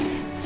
gak gitu sih